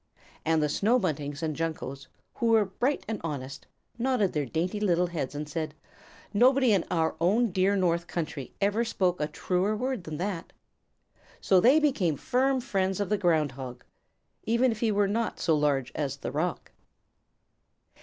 And the Snow Buntings and Juncos, who are bright and honest, nodded their dainty little heads and said, "Nobody in our own dear north country ever spoke a truer word than that." So they became firm friends of the Ground Hog, even if he were not so large as the rock.